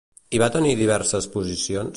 Hi va tenir diverses posicions?